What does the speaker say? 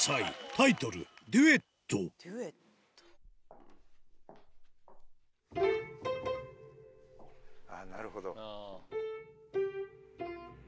タイトルなるほど。